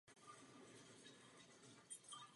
Ve sněmovně ji nahradil Vladimír Procházka.